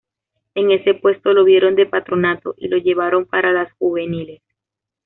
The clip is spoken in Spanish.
En ese puesto lo vieron de Patronato y lo llevaron para las juveniles.